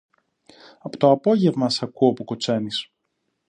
Από το απόγεμα σ' ακούω που κουτσαίνεις